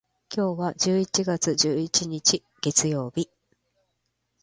今日は十一月十一日、月曜日。